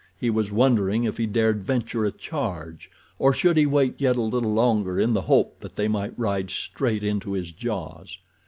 He was wondering if he dared venture a charge, or should he wait yet a little longer in the hope that they might ride straight into his jaws.